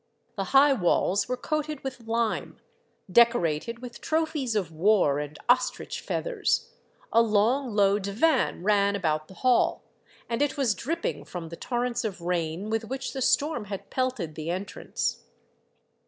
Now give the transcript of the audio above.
The high walls were coated with lime, decorated with trophies of war and ostrich feathers ; a long low divan ran about the hall, and 10 146 Monday Tales, it was dripping from the torrents of rain with which the storm had pelted the entrance.